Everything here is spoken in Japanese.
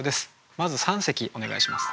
まず三席お願いします。